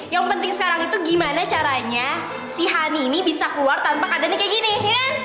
yang penting sekarang itu gimana caranya si hani ini bisa keluar tanpa keadaannya kayak gini